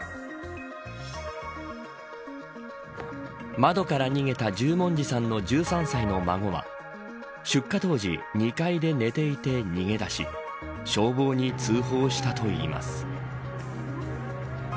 窓から逃げた十文字さんの１３歳の孫は出火当時２階で寝ていて逃げ出し消防に通報したといいます。